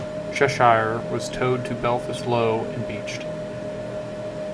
"Cheshire" was towed to Belfast Lough and beached.